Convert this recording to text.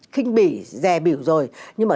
khinh bỉ dè biểu rồi nhưng mà